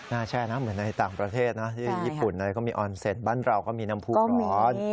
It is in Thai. แช่นะเหมือนในต่างประเทศนะที่ญี่ปุ่นอะไรก็มีออนเซนต์บ้านเราก็มีน้ำผู้ร้อน